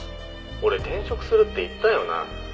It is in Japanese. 「俺転職するって言ったよな？」